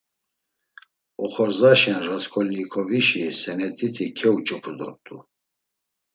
Oxorzaşen Rasǩolnikovişi senet̆iti keuç̌opu dort̆u.